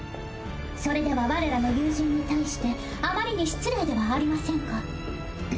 それでは我らの友人に対してあまりに失礼ではありませんか。